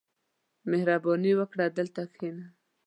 • مهرباني وکړه، دلته کښېنه.